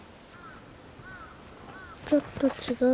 ちょっと違う。